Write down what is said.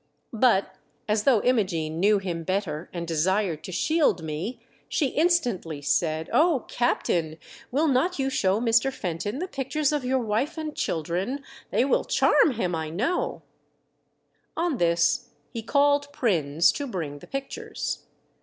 But as though Imogene knew him better and desired to shield me, she instantly said, "Oh, caDtain, VANDERDECKEN EXHIBITS SOME TREASURE. 1/5 will not you show Mr. Fenton the pictures of your wife and children ? They will charm him, I know." On this he called Prins to bring the pic tures.